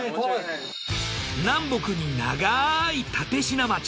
南北に長い立科町。